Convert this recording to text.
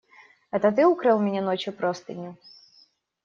Это ты укрыл меня ночью простынею?